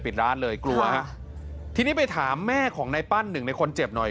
ปิดร้านเลยกลัวฮะทีนี้ไปถามแม่ของในปั้นหนึ่งในคนเจ็บหน่อย